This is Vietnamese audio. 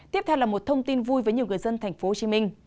tiếp theo là một thông tin vui với nhiều người dân tp hcm